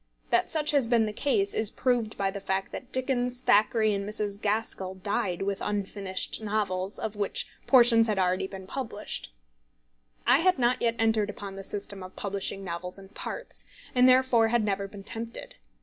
That such has been the case, is proved by the fact that Dickens, Thackeray, and Mrs. Gaskell died with unfinished novels, of which portions had been already published. I had not yet entered upon the system of publishing novels in parts, and therefore had never been tempted.